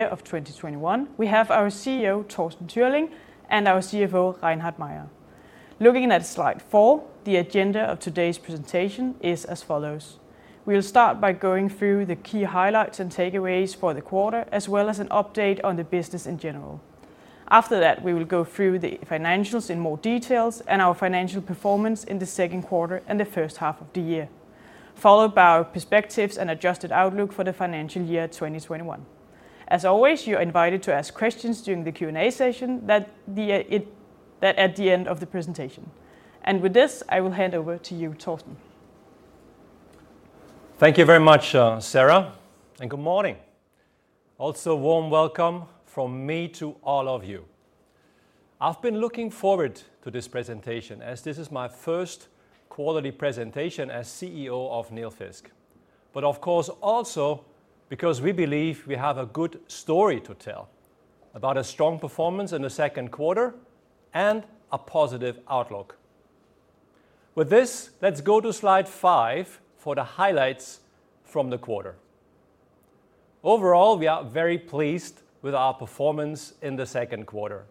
Of 2021, we have our CEO, Torsten Türling, and our CFO, Reinhard Mayer. Looking at slide four, the agenda of today's presentation is as follows. We'll start by going through the key highlights and takeaways for the quarter, as well as an update on the business in general. After that, we will go through the financials in more details and our financial performance in the second quarter and the first half of the year, followed by our perspectives and adjusted outlook for the financial year 2021. As always, you are invited to ask questions during the Q&A session at the end of the presentation. With this, I will hand over to you, Torsten. Thank you very much, Sarah, and good morning. Also, warm welcome from me to all of you. I've been looking forward to this presentation, as this is my first quarterly presentation as CEO of Nilfisk. Of course, also because we believe we have a good story to tell about a strong performance in the second quarter and a positive outlook. With this, let's go to slide five for the highlights from the quarter. Overall, we are very pleased with our performance in the second quarter.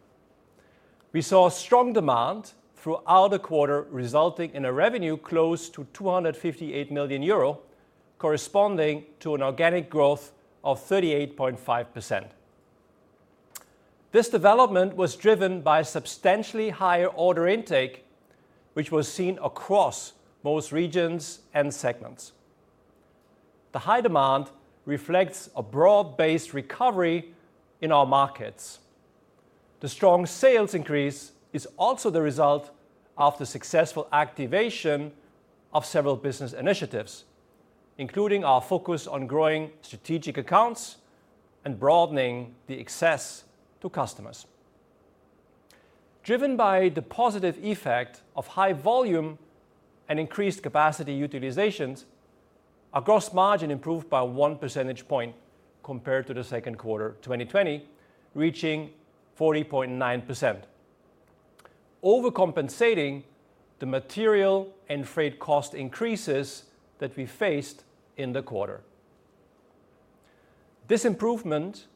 We saw strong demand throughout the quarter, resulting in a revenue close to 258 million euro, corresponding to an organic growth of 38.5%. This development was driven by substantially higher order intake, which was seen across most regions and segments. The high demand reflects a broad-based recovery in our markets. The strong sales increase is also the result of the successful activation of several business initiatives, including our focus on growing strategic accounts and broadening the access to customers. Driven by the positive effect of high volume and increased capacity utilizations, our gross margin improved by one percentage point compared to the second quarter 2020, reaching 40.9%, overcompensating the material and freight cost increases that we faced in the quarter. This improvement,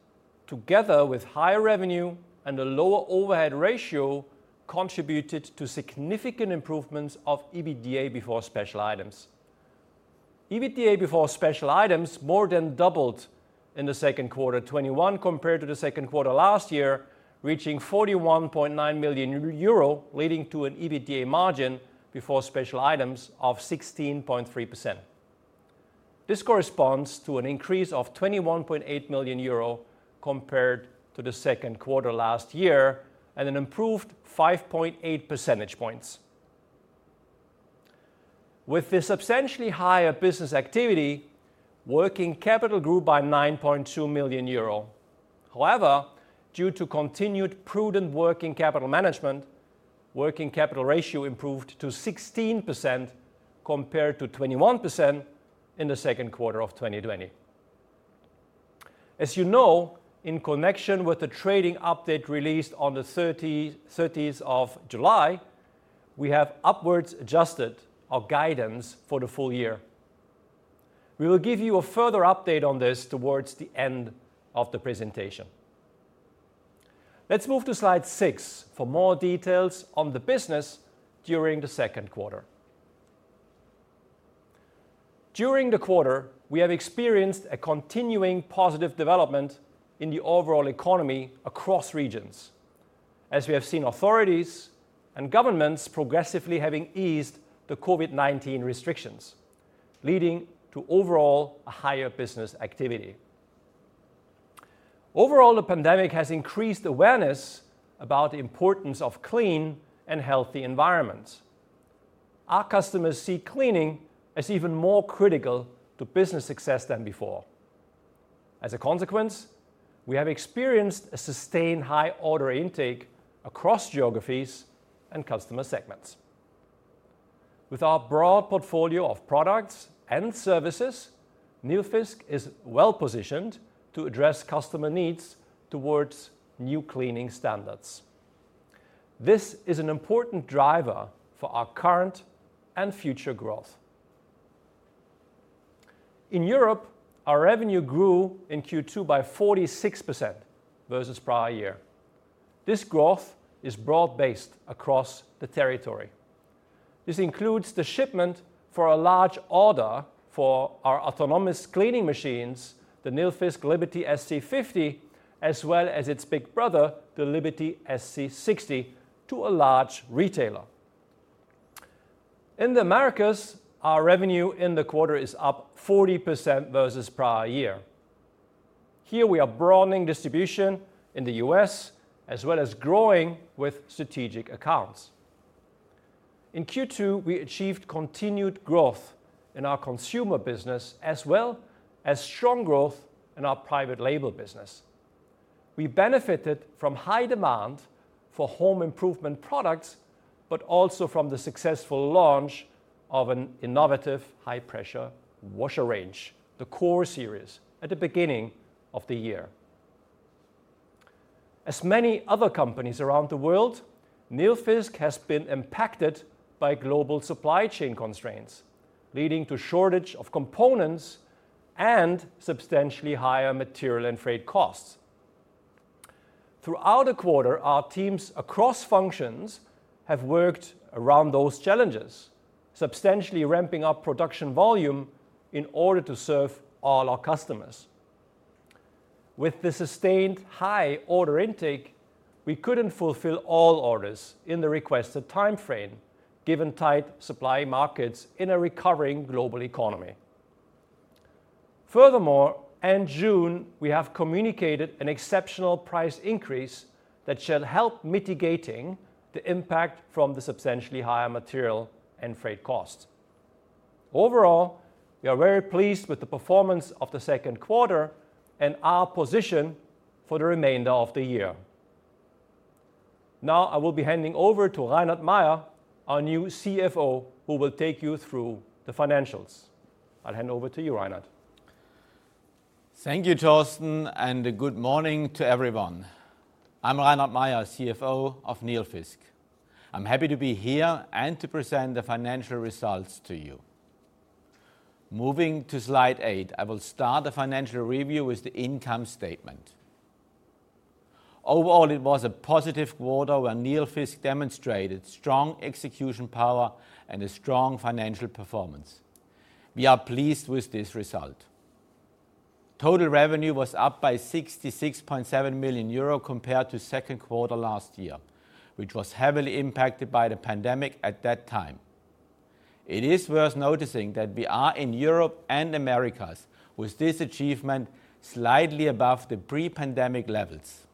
together with higher revenue and a lower overhead ratio, contributed to significant improvements of EBITDA before special items. EBITDA before special items more than doubled in the second quarter 2021 compared to the second quarter last year, reaching 41.9 million euro, leading to an EBITDA margin before special items of 16.3%. This corresponds to an increase of 21.8 million euro compared to the second quarter last year and an improved 5.8 percentage points. With the substantially higher business activity, working capital grew by 9.2 million euro. Due to continued prudent working capital management, working capital ratio improved to 16% compared to 21% in the second quarter of 2020. As you know, in connection with the trading update released on the 30th of July, we have upwards adjusted our guidance for the full year. We will give you a further update on this towards the end of the presentation. Let's move to slide six for more details on the business during the second quarter. During the quarter, we have experienced a continuing positive development in the overall economy across regions, as we have seen authorities and governments progressively having eased the COVID-19 restrictions, leading to overall a higher business activity. Overall, the pandemic has increased awareness about the importance of clean and healthy environments. Our customers see cleaning as even more critical to business success than before. As a consequence, we have experienced a sustained high order intake across geographies and customer segments. With our broad portfolio of products and services, Nilfisk is well-positioned to address customer needs towards new cleaning standards. This is an important driver for our current and future growth. In Europe, our revenue grew in Q2 by 46% versus prior year. This growth is broad-based across the territory. This includes the shipment for a large order for our autonomous cleaning machines, the Nilfisk Liberty SC50, as well as its big brother, the Liberty SC60, to a large retailer. In the Americas, our revenue in the quarter is up 40% versus prior year. Here, we are broadening distribution in the U.S. as well as growing with strategic accounts. In Q2, we achieved continued growth in our consumer business, as well as strong growth in our private label business. We benefited from high demand for home improvement products, but also from the successful launch of an innovative high-pressure washer range, the Core series, at the beginning of the year. As many other companies around the world, Nilfisk has been impacted by global supply chain constraints, leading to shortage of components and substantially higher material and freight costs. Throughout the quarter, our teams across functions have worked around those challenges, substantially ramping up production volume in order to serve all our customers. With the sustained high order intake, we couldn't fulfill all orders in the requested timeframe, given tight supply markets in a recovering global economy. Furthermore, in June, we have communicated an exceptional price increase that shall help mitigating the impact from the substantially higher material and freight costs. Overall, we are very pleased with the performance of the 2nd quarter and our position for the remainder of the year. Now, I will be handing over to Reinhard Mayer, our new CFO, who will take you through the financials. I'll hand over to you, Reinhard. Thank you, Torsten, and good morning to everyone. I'm Reinhard Mayer, CFO of Nilfisk. I'm happy to be here and to present the financial results to you. Moving to slide eight, I will start the financial review with the income statement. Overall, it was a positive quarter where Nilfisk demonstrated strong execution power and a strong financial performance. We are pleased with this result. Total revenue was up by 66.7 million euro compared to second quarter last year, which was heavily impacted by the pandemic at that time. It is worth noticing that we are in Europe and Americas with this achievement slightly above the pre-pandemic levels.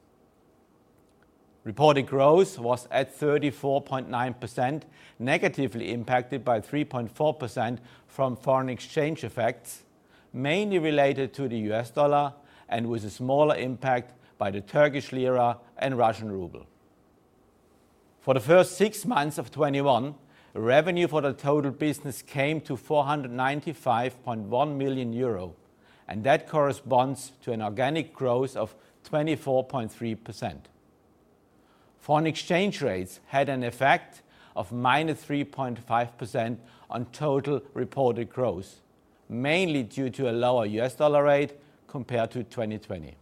Reported growth was at 34.9%, negatively impacted by 3.4% from foreign exchange effects, mainly related to the US dollar, and with a smaller impact by the Turkish lira and Russian ruble. For the first six months of 2021, revenue for the total business came to 495.1 million euro, that corresponds to an organic growth of 24.3%. Foreign exchange rates had an effect of -3.5% on total reported growth, mainly due to a lower U.S. dollar rate compared to 2020.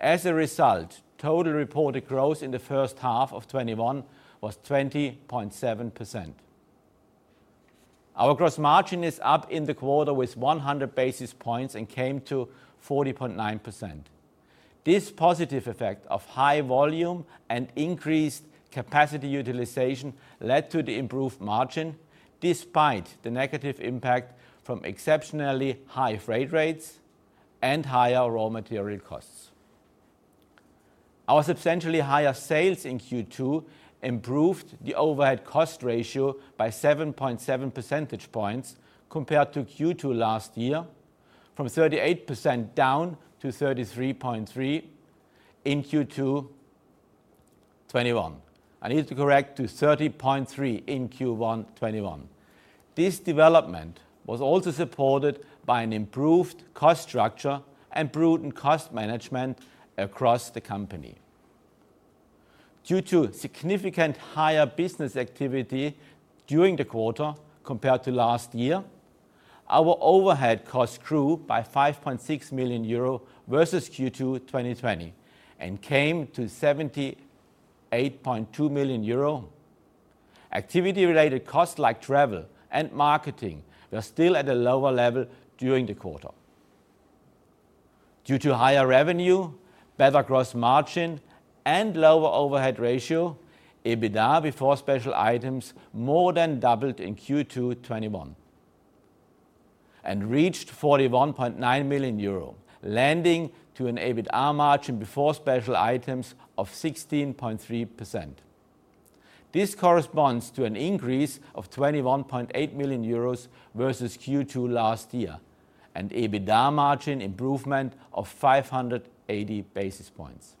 As a result, total reported growth in the first half of 2021 was 20.7%. Our gross margin is up in the quarter with 100 basis points and came to 40.9%. This positive effect of high volume and increased capacity utilization led to the improved margin, despite the negative impact from exceptionally high freight rates and higher raw material costs. Our substantially higher sales in Q2 improved the overhead cost ratio by 7.7 percentage points compared to Q2 last year, from 38% down to 33.3% in Q2 2021. I need to correct to 30.3% in Q1 2021. This development was also supported by an improved cost structure and prudent cost management across the company. Due to significant higher business activity during the quarter compared to last year, our overhead costs grew by 5.6 million euro versus Q2 2020 and came to 78.2 million euro. Activity-related costs like travel and marketing were still at a lower level during the quarter. Due to higher revenue, better gross margin, and lower overhead ratio, EBITDA before special items more than doubled in Q2 2021 and reached 41.9 million euro, landing to an EBITDA margin before special items of 16.3%. This corresponds to an increase of 21.8 million euros versus Q2 last year, and EBITDA margin improvement of 580 basis points.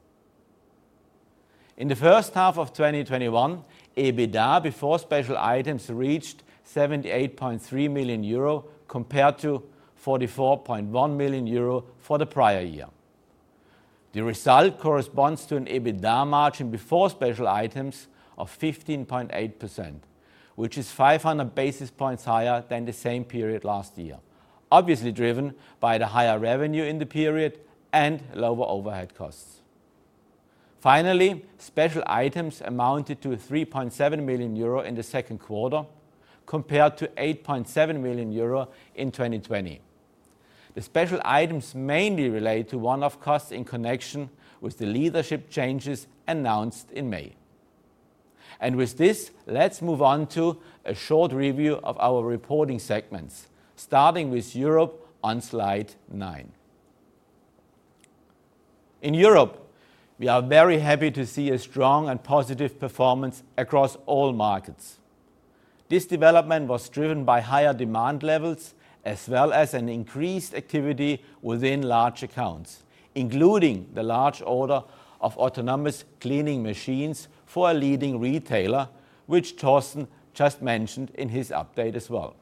In the first half of 2021, EBITDA before special items reached 78.3 million euro, compared to 44.1 million euro for the prior year. The result corresponds to an EBITDA margin before special items of 15.8%, which is 500 basis points higher than the same period last year, obviously driven by the higher revenue in the period and lower overhead costs. Special items amounted to 3.7 million euro in the second quarter, compared to 8.7 million euro in 2020. The special items mainly relate to one-off costs in connection with the leadership changes announced in May. With this, let's move on to a short review of our reporting segments, starting with Europe on slide nine. In Europe, we are very happy to see a strong and positive performance across all markets. This development was driven by higher demand levels as well as an increased activity within large accounts, including the large order of autonomous cleaning machines for a leading retailer, which Torsten just mentioned in his update as well.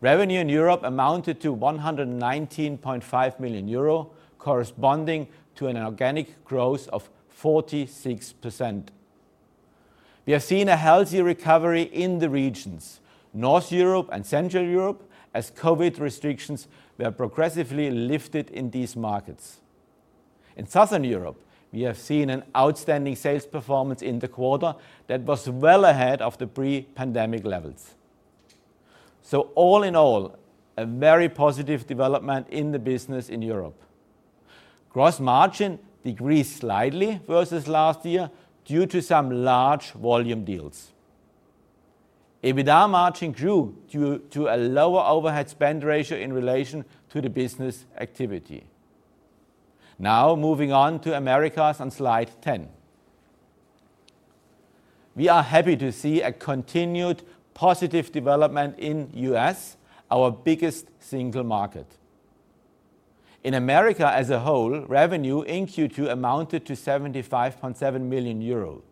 Revenue in Europe amounted to 119.5 million euro, corresponding to an organic growth of 46%. We are seeing a healthy recovery in the regions, North Europe and Central Europe, as COVID restrictions were progressively lifted in these markets. In Southern Europe, we have seen an outstanding sales performance in the quarter that was well ahead of the pre-pandemic levels. All in all, a very positive development in the business in Europe. Gross margin decreased slightly versus last year due to some large volume deals. EBITDA margin grew due to a lower overhead spend ratio in relation to the business activity. Moving on to Americas on slide 10. We are happy to see a continued positive development in U.S., our biggest single market. In America as a whole, revenue in Q2 amounted to 75.7 million euro,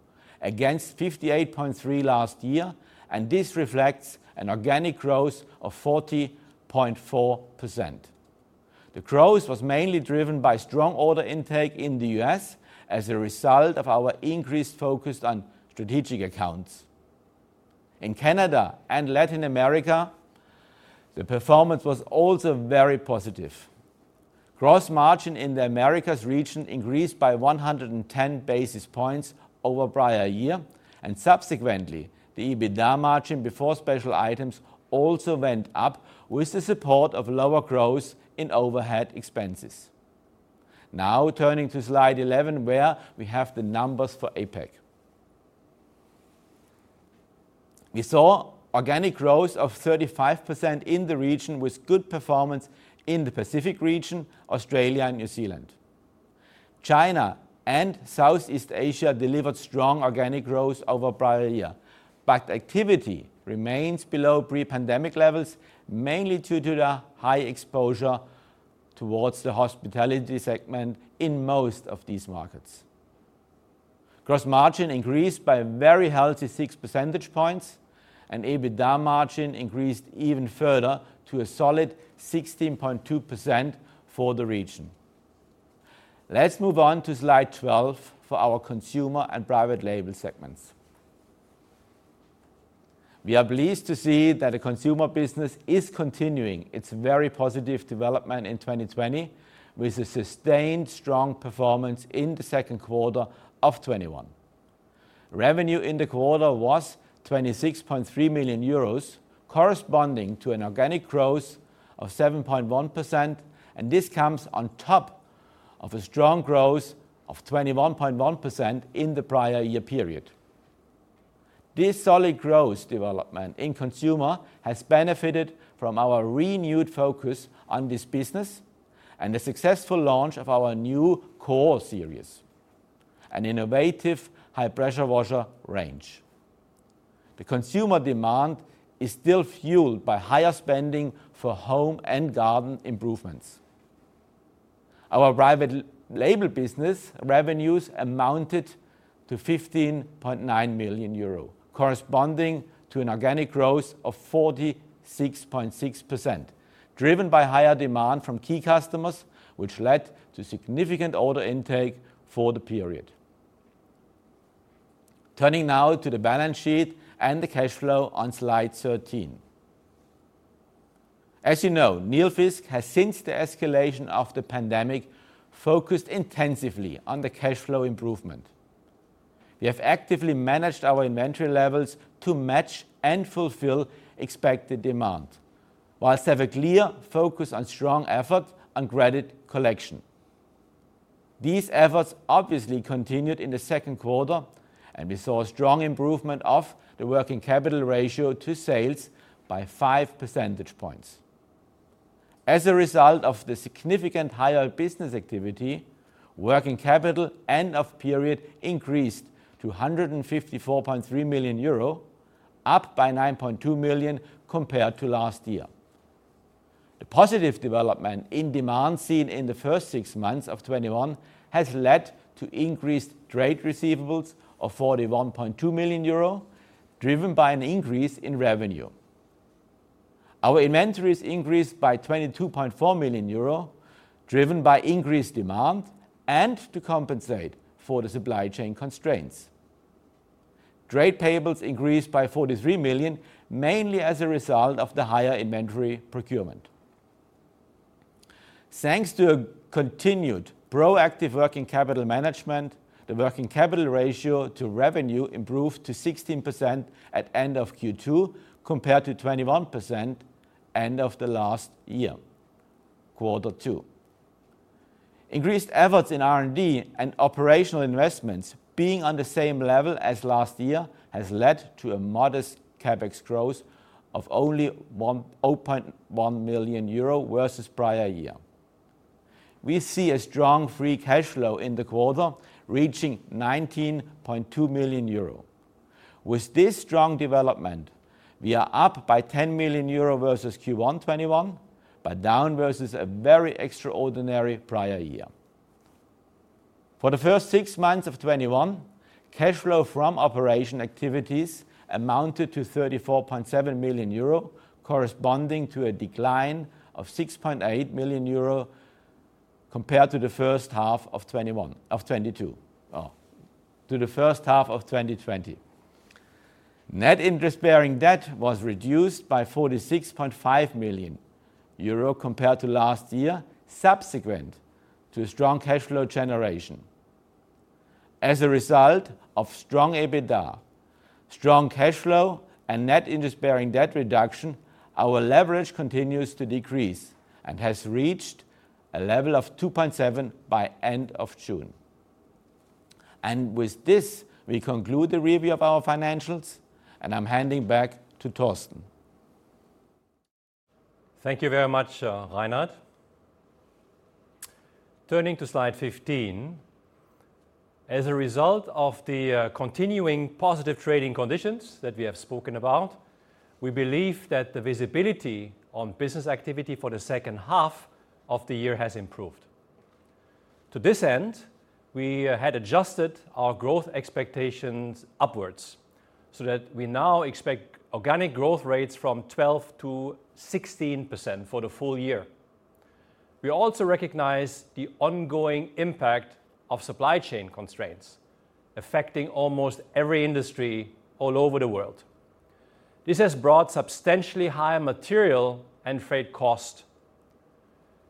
against 58.3 million last year, this reflects an organic growth of 40.4%. The growth was mainly driven by strong order intake in the U.S. as a result of our increased focus on strategic accounts. In Canada and Latin America, the performance was also very positive. Gross margin in the Americas region increased by 110 basis points over prior year, subsequently, the EBITDA margin before special items also went up with the support of lower growth in overhead expenses. Turning to slide 11, where we have the numbers for APAC. We saw organic growth of 35% in the region with good performance in the Pacific region, Australia, and New Zealand. China and Southeast Asia delivered strong organic growth over prior year, but activity remains below pre-pandemic levels, mainly due to the high exposure towards the hospitality segment in most of these markets. Gross margin increased by a very healthy 6 percentage points, and EBITDA margin increased even further to a solid 16.2% for the region. Let's move on to slide 12 for our Consumer and Private Label segments. We are pleased to see that the Consumer business is continuing its very positive development in 2020 with a sustained strong performance in the second quarter of 2021. Revenue in the quarter was 26.3 million euros, corresponding to an organic growth of 7.1%, and this comes on top of a strong growth of 21.1% in the prior year period. This solid growth development in consumer has benefited from our renewed focus on this business and the successful launch of our Core series, an innovative high-pressure washer range. The consumer demand is still fueled by higher spending for home and garden improvements. Our private label business revenues amounted to 15.9 million euro, corresponding to an organic growth of 46.6%, driven by higher demand from key customers, which led to significant order intake for the period. Turning now to the balance sheet and the cash flow on slide 13. As you know, Nilfisk has, since the escalation of the pandemic, focused intensively on the cash flow improvement. We have actively managed our inventory levels to match and fulfill expected demand whilst have a clear focus on strong effort on credit collection. These efforts obviously continued in Q2, and we saw a strong improvement of the working capital ratio to sales by 5 percentage points. As a result of the significant higher business activity, working capital end of period increased to 154.3 million euro, up by 9.2 million compared to last year. The positive development in demand seen in the first six months of 2021 has led to increased trade receivables of 41.2 million euro, driven by an increase in revenue. Our inventories increased by 22.4 million euro, driven by increased demand and to compensate for the supply chain constraints. Trade payables increased by 43 million, mainly as a result of the higher inventory procurement. Thanks to a continued proactive working capital management, the working capital ratio to revenue improved to 16% at end of Q2 compared to 21% end of the last year, Q2. Increased efforts in R&D and operational investments being on the same level as last year has led to a modest CapEx growth of only 0.1 million euro versus prior year. We see a strong free cash flow in the quarter reaching 19.2 million euro. With this strong development, we are up by 10 million euro versus Q1 2021, but down versus a very extraordinary prior year. For the first six months of 2021, cash flow from operation activities amounted to 34.7 million euro, corresponding to a decline of 6.8 million euro compared to the first half of 2022. To the first half of 2020. Net interest-bearing debt was reduced by 46.5 million euro compared to last year, subsequent to strong cash flow generation. As a result of strong EBITDA, strong cash flow, and net interest-bearing debt reduction, our leverage continues to decrease and has reached a level of 2.7 by end of June. With this, we conclude the review of our financials, and I'm handing back to Torsten. Thank you very much, Reinhard. Turning to slide 15. As a result of the continuing positive trading conditions that we have spoken about, we believe that the visibility on business activity for the second half of the year has improved. To this end, we had adjusted our growth expectations upwards so that we now expect organic growth rates from 12%-16% for the full year. We also recognize the ongoing impact of supply chain constraints affecting almost every industry all over the world. This has brought substantially higher material and freight cost.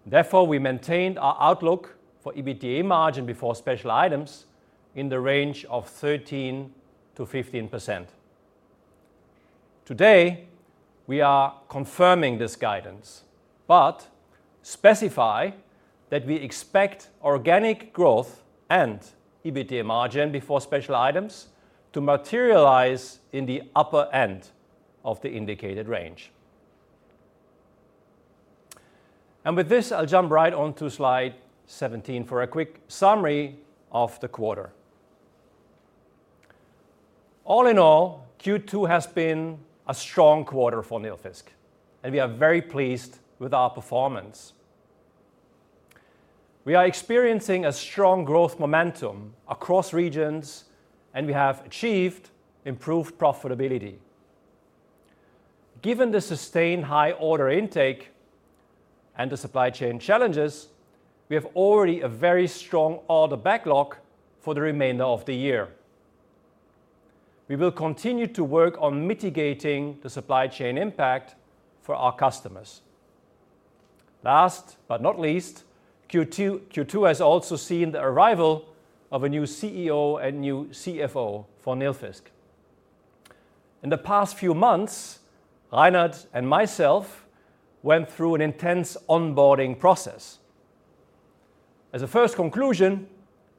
Therefore, we maintained our outlook for EBITDA margin before special items in the range of 13%-15%. Today, we are confirming this guidance, but specify that we expect organic growth and EBITDA margin before special items to materialize in the upper end of the indicated range. With this, I'll jump right onto slide 17 for a quick summary of the quarter. All in all, Q2 has been a strong quarter for Nilfisk, and we are very pleased with our performance. We are experiencing a strong growth momentum across regions, and we have achieved improved profitability. Given the sustained high order intake and the supply chain challenges, we have already a very strong order backlog for the remainder of the year. We will continue to work on mitigating the supply chain impact for our customers. Last but not least, Q2 has also seen the arrival of a new CEO and new CFO for Nilfisk. In the past few months, Reinhard and myself went through an intense onboarding process. As a first conclusion,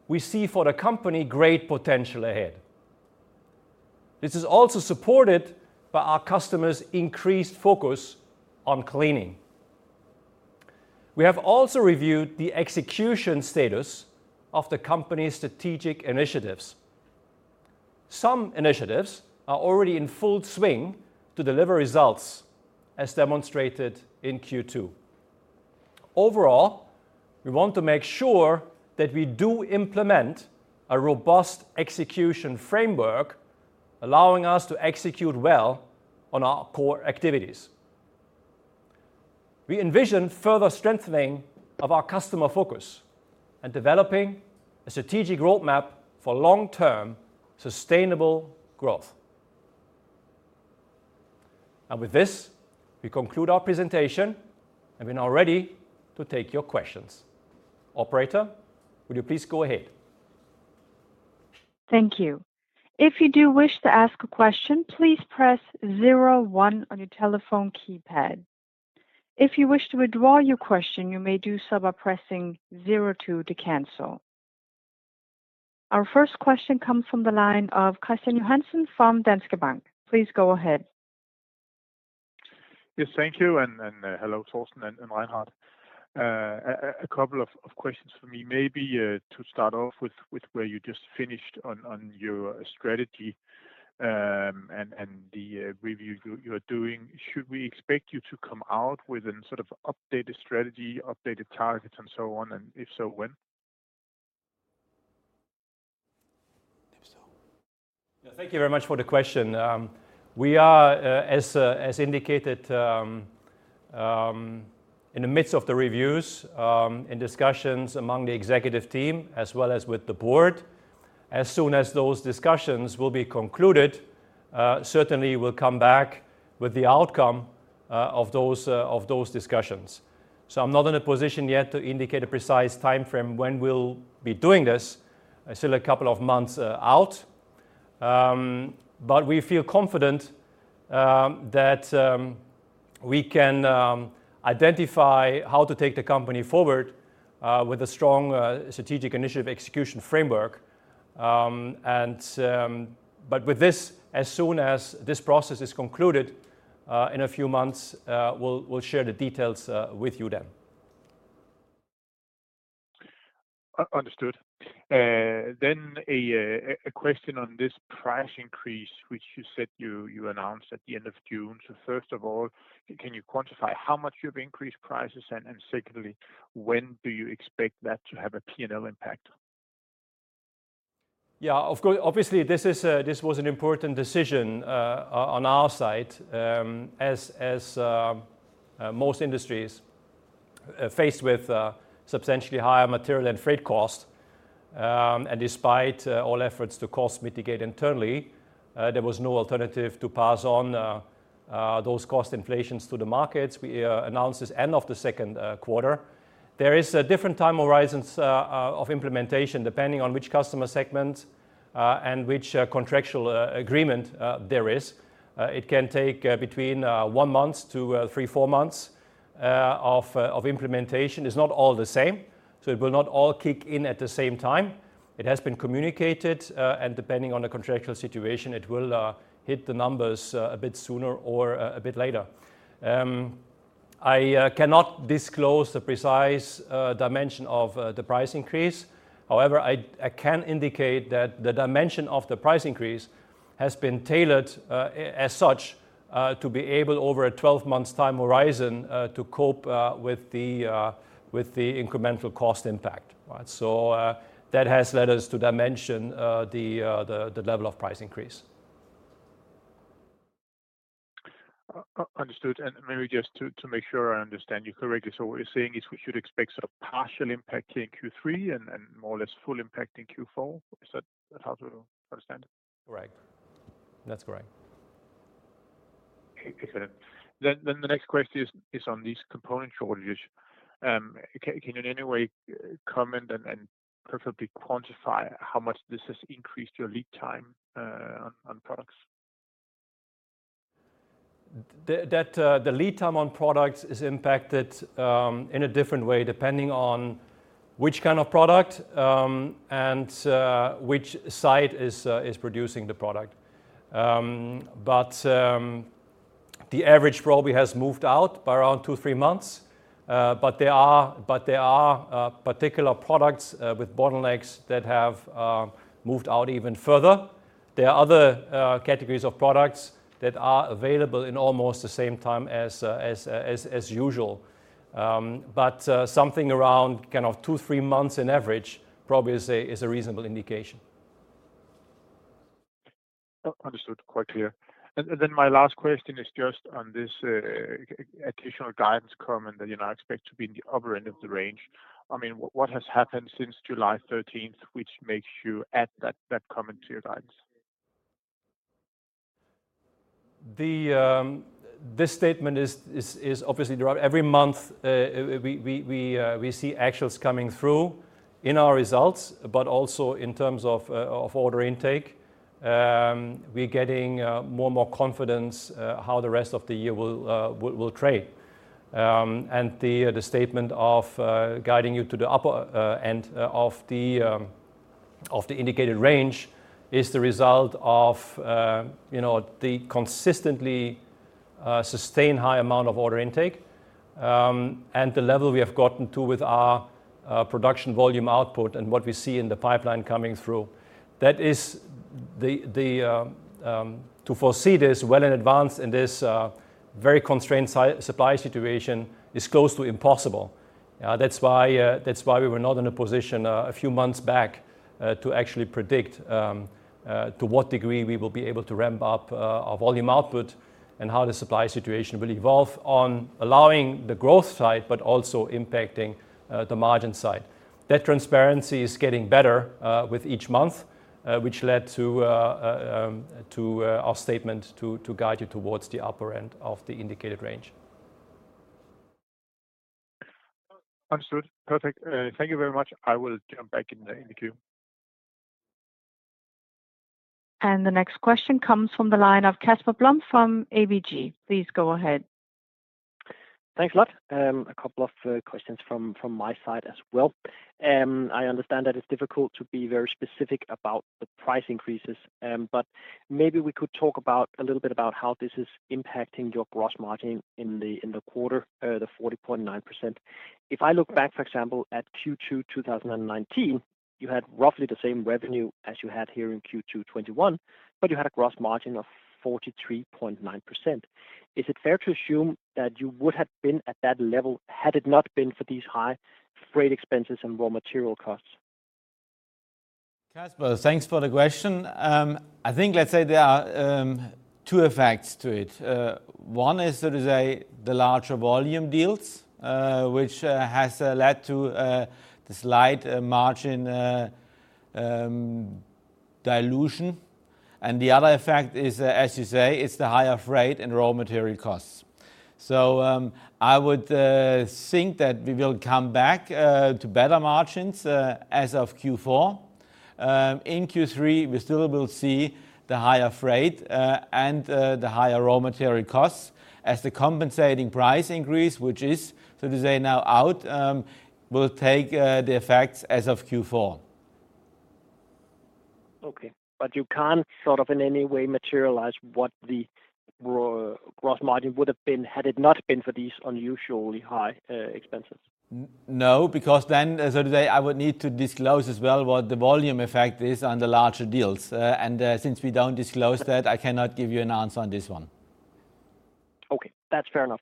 we see for the company great potential ahead. This is also supported by our customers' increased focus on cleaning. We have also reviewed the execution status of the company's strategic initiatives. Some initiatives are already in full swing to deliver results, as demonstrated in Q2. Overall, we want to make sure that we do implement a robust execution framework allowing us to execute well on our core activities. We envision further strengthening of our customer focus and developing a strategic roadmap for long-term sustainable growth. With this, we conclude our presentation, and we're now ready to take your questions. Operator, would you please go ahead? Thank you. If you do wish to ask a question, please press zero one on your telephone keypad. If you wish to withdraw your question, you may do so by pressing zero two to cancel. Our first question comes from the line of Kristian Johansen from Danske Bank. Please go ahead. Yes, thank you. Hello, Torsten and Reinhard. A couple of questions for me. Maybe to start off with where you just finished on your strategy and the review you're doing. Should we expect you to come out with an updated strategy, updated targets, and so on, and if so, when? If so. Thank you very much for the question. We are, as indicated, in the midst of the reviews and discussions among the executive team as well as with the board. As soon as those discussions will be concluded, certainly we'll come back with the outcome of those discussions. I'm not in a position yet to indicate a precise timeframe when we'll be doing this. Still a couple of months out. We feel confident that we can identify how to take the company forward with a strong strategic initiative execution framework. With this, as soon as this process is concluded in a few months, we'll share the details with you then. Understood. A question on this price increase, which you said you announced at the end of June. First of all, can you quantify how much you've increased prices? Secondly, when do you expect that to have a P&L impact? Yeah. Obviously, this was an important decision on our side. As most industries are faced with substantially higher material and freight costs, and despite all efforts to cost mitigate internally, there was no alternative to pass on those cost inflations to the markets. We announced this end of the second quarter. There is different time horizons of implementation depending on which customer segment and which contractual agreement there is. It can take between one month to three, four months of implementation. It's not all the same, so it will not all kick in at the same time. It has been communicated, and depending on the contractual situation, it will hit the numbers a bit sooner or a bit later. I cannot disclose the precise dimension of the price increase. However, I can indicate that the dimension of the price increase has been tailored as such to be able, over a 12 months time horizon, to cope with the incremental cost impact. That has led us to dimension the level of price increase. Understood. Maybe just to make sure I understand you correctly. What you're saying is we should expect sort of partial impact here in Q3 and more or less full impact in Q4. Is that how to understand it? Correct. That's correct. Okay. The next question is on these component shortages. Can you in any way comment and preferably quantify how much this has increased your lead time on products? The lead time on products is impacted in a different way depending on which kind of product and which site is producing the product. The average probably has moved out by around two, three months. There are particular products with bottlenecks that have moved out even further. There are other categories of products that are available in almost the same time as usual. Something around two, three months on average probably is a reasonable indication. Understood. Quite clear. My last question is just on this additional guidance comment that expect to be in the upper end of the range. What has happened since July 13th, which makes you add that comment to your guidance? This statement is obviously derived. Every month, we see actuals coming through in our results, but also in terms of order intake. We're getting more and more confidence how the rest of the year will trade. The statement of guiding you to the upper end of the indicated range is the result of the consistently sustained high amount of order intake and the level we have gotten to with our production volume output and what we see in the pipeline coming through. To foresee this well in advance in this very constrained supply situation is close to impossible. That's why we were not in a position a few months back to actually predict to what degree we will be able to ramp up our volume output and how the supply situation will evolve on allowing the growth side, but also impacting the margin side. That transparency is getting better with each month, which led to our statement to guide you towards the upper end of the indicated range. Understood. Perfect. Thank you very much. I will jump back in the queue. The next question comes from the line of Casper Blom from ABG. Please go ahead. Thanks a lot. A couple of questions from my side as well. I understand that it's difficult to be very specific about the price increases. Maybe we could talk a little bit about how this is impacting your gross margin in the quarter, the 40.9%. If I look back, for example, at Q2 2019, you had roughly the same revenue as you had here in Q2 2021, but you had a gross margin of 43.9%. Is it fair to assume that you would have been at that level had it not been for these high freight expenses and raw material costs? Casper, thanks for the question. I think, let's say there are two effects to it. One is the larger volume deals, which has led to the slight margin dilution. The other effect is, as you say, it's the higher freight and raw material costs. I would think that we will come back to better margins as of Q4. In Q3, we still will see the higher freight and the higher raw material costs as the compensating price increase, which is now out, will take the effects as of Q4. Okay. You can't sort of in any way materialize what the gross margin would have been had it not been for these unusually high expenses? No, because then I would need to disclose as well what the volume effect is on the larger deals. Since we don't disclose that, I cannot give you an answer on this one. Okay, that's fair enough.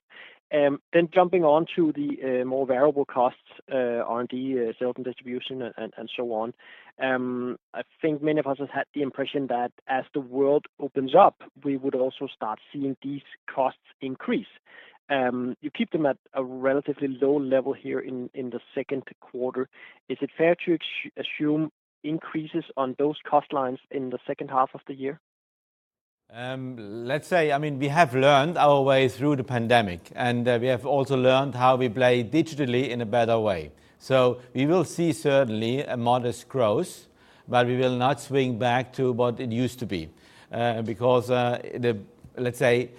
Jumping on to the more variable costs, R&D, sales and distribution, and so on. I think many of us have had the impression that as the world opens up, we would also start seeing these costs increase. You keep them at a relatively low level here in the second quarter. Is it fair to assume increases on those cost lines in the second half of the year? Let's say, we have learned our way through the pandemic, and we have also learned how we play digitally in a better way. We will see certainly a modest growth, but we will not swing back to what it used to be. Let's say,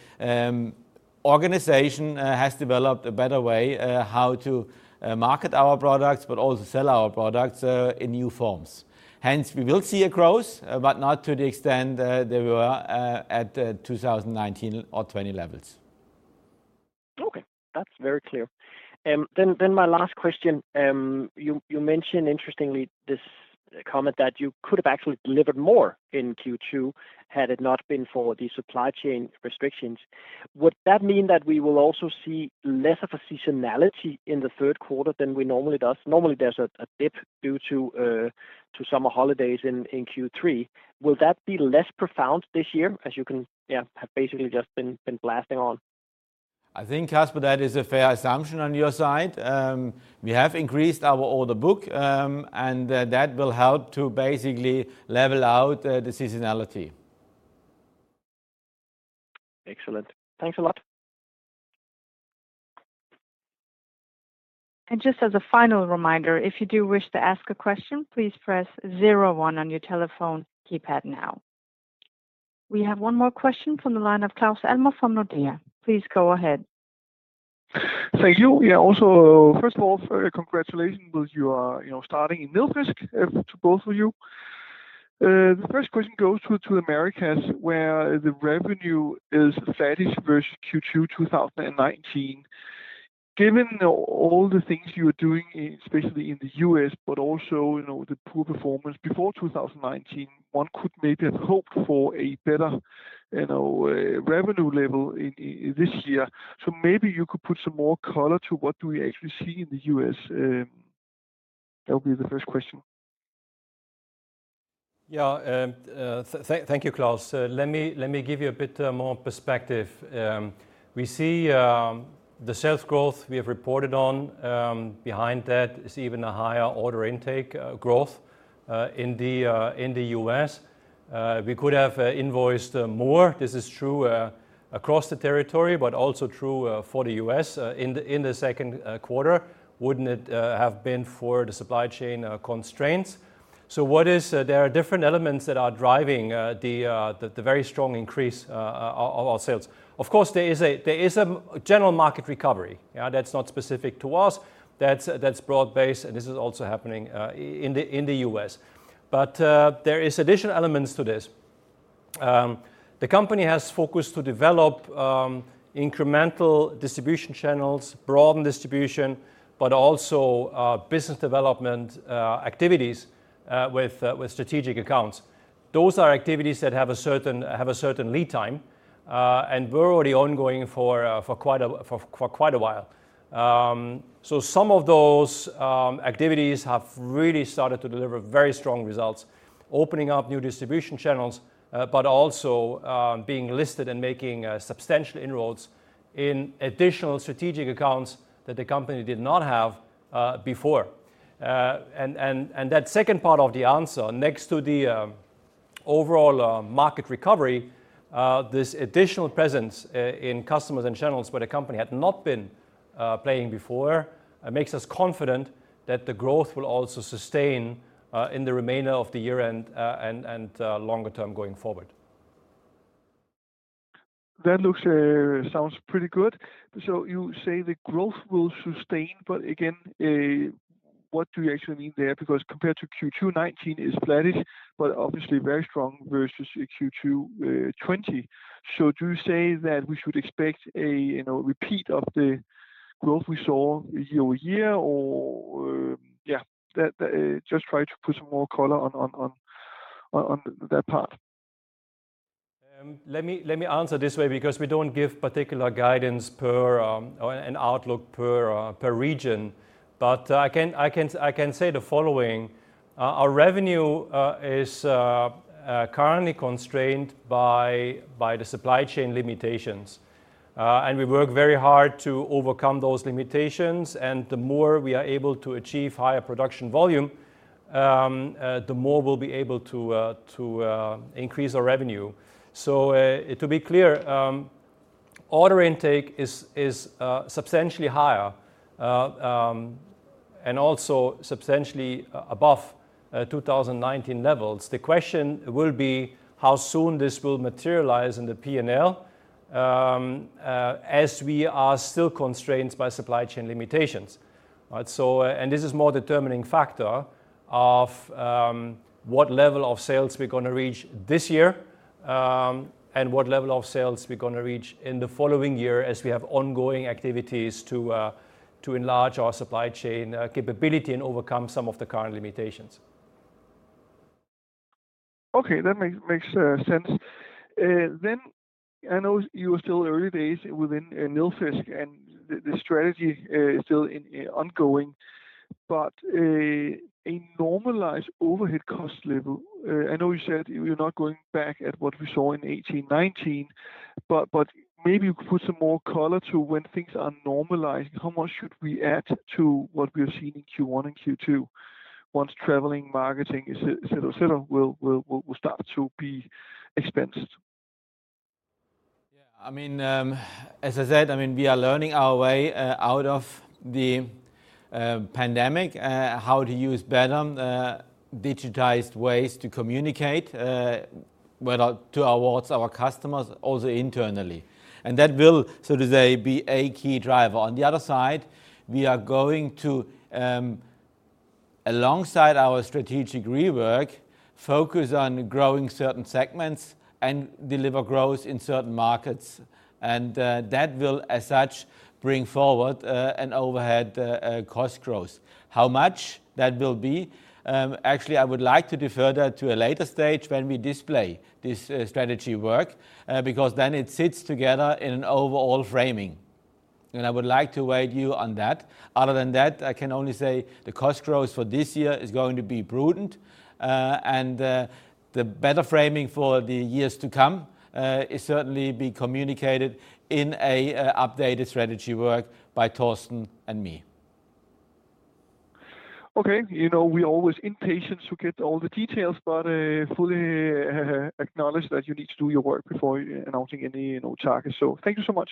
organization has developed a better way how to market our products, but also sell our products in new forms. We will see a growth, but not to the extent that we were at 2019 or 2020 levels. Okay. That's very clear. My last question. You mentioned interestingly this comment that you could have actually delivered more in Q2 had it not been for the supply chain restrictions. Would that mean that we will also see less of a seasonality in the third quarter than we normally does? Normally, there's a dip due to summer holidays in Q3. Will that be less profound this year as you have basically just been blasting on? I think, Casper, that is a fair assumption on your side. We have increased our order book, and that will help to basically level out the seasonality. Excellent. Thanks a lot. Just as a final reminder, if you do wish to ask a question, please press zero one on your telephone keypad now. We have one more question from the line of Claus Almer from Nordea. Please go ahead. Thank you. Yeah, also, first of all, congratulations with your starting in Nilfisk to both of you. The first question goes to Americas, where the revenue is flattish versus Q2 2019. Given all the things you are doing, especially in the U.S., also, the poor performance before 2019, one could maybe have hoped for a better revenue level this year. Maybe you could put some more color to what do we actually see in the U.S. That would be the first question. Yeah. Thank you, Claus. Let me give you a bit more perspective. We see the sales growth we have reported on. Behind that is even a higher order intake growth in the U.S. We could have invoiced more, this is true across the territory, but also true for the U.S. in Q2, wouldn't it have been for the supply chain constraints. There are different elements that are driving the very strong increase of our sales. Of course, there is a general market recovery. That's not specific to us. That's broad based, and this is also happening in the U.S. There is additional elements to this. The company has focused to develop incremental distribution channels, broaden distribution, but also business development activities with strategic accounts. Those are activities that have a certain lead time, and were already ongoing for quite a while. Some of those activities have really started to deliver very strong results, opening up new distribution channels, but also being listed and making substantial inroads in additional strategic accounts that the company did not have before. That second part of the answer, next to the overall market recovery, this additional presence in customers and channels where the company had not been playing before, makes us confident that the growth will also sustain in the remainder of the year and longer term going forward. That looks, sounds pretty good. You say the growth will sustain, but again, what do you actually mean there? Compared to Q2 2019, it's flattish but obviously very strong versus Q2 2020. Do you say that we should expect a repeat of the growth we saw year-over-year? Just try to put some more color on that part. Let me answer this way, we don't give particular guidance per or an outlook per region. I can say the following. Our revenue is currently constrained by the supply chain limitations. We work very hard to overcome those limitations. The more we are able to achieve higher production volume, the more we'll be able to increase our revenue. To be clear, order intake is substantially higher, and also substantially above 2019 levels. The question will be how soon this will materialize in the P&L, as we are still constrained by supply chain limitations. This is more determining factor of what level of sales we're going to reach this year, and what level of sales we're going to reach in the following year as we have ongoing activities to enlarge our supply chain capability and overcome some of the current limitations. Okay, that makes sense. I know you are still early days within Nilfisk and the strategy is still ongoing, but a normalized overhead cost level. I know you said you're not going back at what we saw in 2018, 2019, but maybe you could put some more color to when things are normalizing, how much should we add to what we have seen in Q1 and Q2, once traveling, marketing, et cetera, will start to be expensed? Yeah. As I said, we are learning our way out of the pandemic, how to use better digitized ways to communicate, whether to our customers, also internally. That will, so to say, be a key driver. On the other side, we are going to, alongside our strategic rework, focus on growing certain segments and deliver growth in certain markets. That will, as such, bring forward an overhead cost growth. How much that will be? Actually, I would like to defer that to a later stage when we display this strategy work, because then it sits together in an overall framing. I would like to weigh you on that. Other than that, I can only say the cost growth for this year is going to be prudent. The better framing for the years to come is certainly be communicated in a updated strategy work by Torsten and me. Okay. We're always impatient to get all the details, but I fully acknowledge that you need to do your work before announcing any targets. Thank you so much.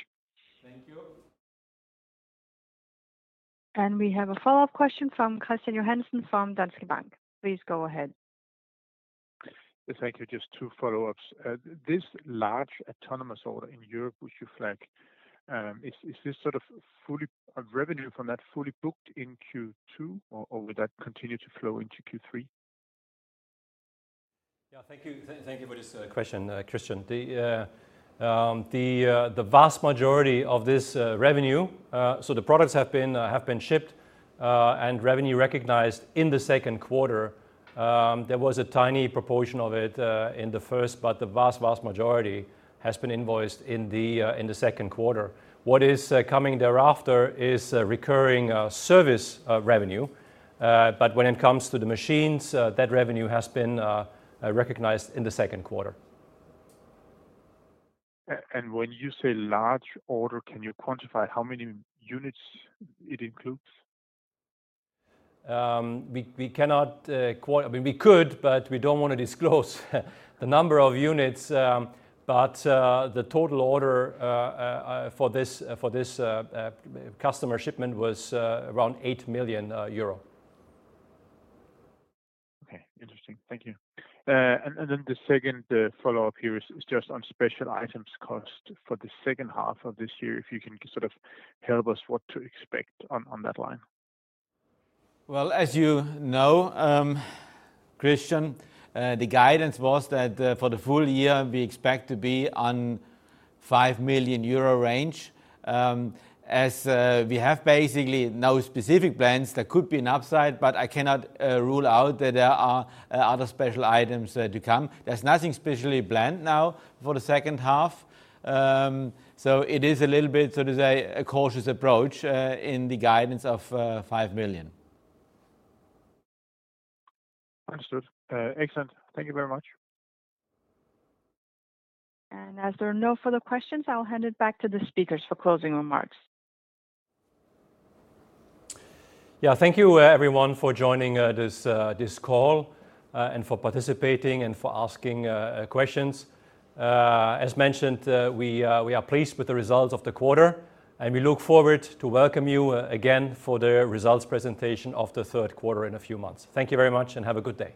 Thank you. We have a follow-up question from Kristian Johansen from Danske Bank. Please go ahead. Thank you. Just two follow-ups. This large autonomous order in Europe, which you flag, is this revenue from that fully booked in Q2, or will that continue to flow into Q3? Yeah. Thank you for this question, Kristian. The vast majority of this revenue, the products have been shipped, and revenue recognized in the second quarter. There was a tiny proportion of it in the first, the vast majority has been invoiced in the second quarter. What is coming thereafter is recurring service revenue. When it comes to the machines, that revenue has been recognized in the second quarter. When you say large order, can you quantify how many units it includes? We could, but we don't want to disclose the number of units. The total order for this customer shipment was around 8 million euro. Okay. Interesting. Thank you. The second follow-up here is just on special items cost for the second half of this year, if you can sort of help us what to expect on that line. Well, as you know, Kristian, the guidance was that for the full year, we expect to be on 5 million euro range. We have basically no specific plans, there could be an upside, but I cannot rule out that there are other special items to come. There's nothing specially planned now for the second half. It is a little bit, so to say, a cautious approach in the guidance of 5 million. Understood. Excellent. Thank you very much. As there are no further questions, I'll hand it back to the speakers for closing remarks. Yeah. Thank you everyone for joining this call and for participating and for asking questions. As mentioned, we are pleased with the results of the quarter, and we look forward to welcome you again for the results presentation of the third quarter in a few months. Thank you very much and have a good day.